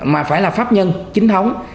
mà phải là pháp nhân chính thống